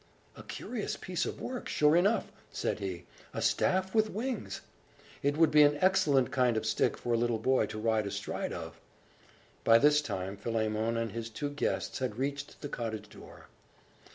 "A curious piece of work, sure enough!" said he. "A staff with wings! It would be an excellent kind of stick for a little boy to ride astride of!" By this time, Philemon and his two guests had reached the cottage door.